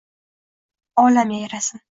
Olam yayrasin